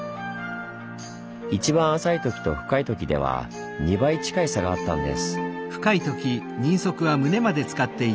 一番浅いときと深いときでは２倍近い差があったんです。